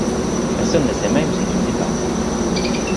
Personne ne sait même ce qui s’y passe.